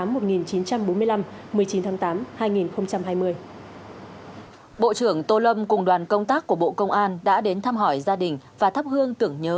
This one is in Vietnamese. bộ trưởng tô lâm cùng đoàn công tác của bộ công an đã đến thăm hỏi gia đình và thắp hương tưởng nhớ